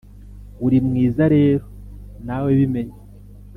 uri mwiza rero nawe bimenye